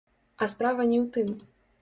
А справа не ў тым.